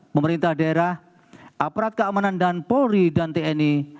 pemerintah daerah aparat keamanan dan polri dan tni